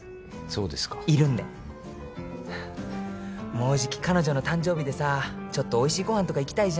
もうじき彼女の誕生日でさちょっとおいしいご飯とか行きたいじゃん。